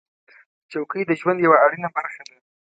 چوکۍ د ژوند یوه اړینه برخه ده.